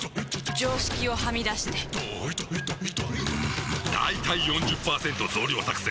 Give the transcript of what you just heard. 常識をはみ出してんだいたい ４０％ 増量作戦！